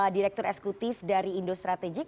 direktur esekutif dari indo strategic